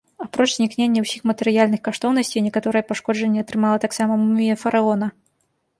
Апроч знікнення ўсіх матэрыяльных каштоўнасцей, некаторыя пашкоджанні атрымала таксама мумія фараона.